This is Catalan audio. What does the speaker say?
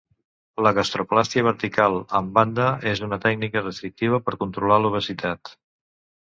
La gastroplàstia vertical amb banda és una tècnica restrictiva per controlar l'obesitat.